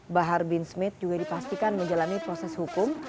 bahar bin smith juga dipastikan menjalani proses hukum